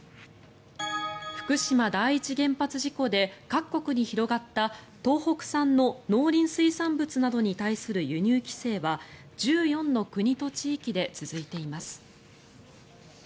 福島第一原発事故で各国に広がった東北産の農林水産物などに対する輸入規制は１４の国と地域で続いています。